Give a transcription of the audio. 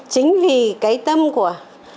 chính vì cái tâm của